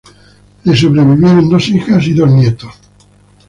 Le sobrevivieron dos hijas y dos nietos.